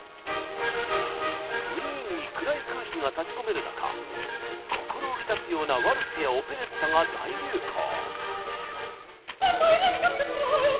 ウィーンに暗い空気が立ちこめる中心浮き立つようなワルツやオペレッタが大流行。